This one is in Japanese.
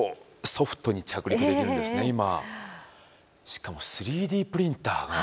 しかも３Ｄプリンターが。